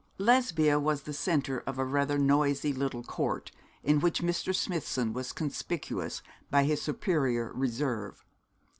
Lesbia was the centre of a rather noisy little court, in which Mr. Smithson was conspicuous by his superior reserve.